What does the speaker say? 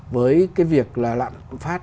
với cái việc là lạm phát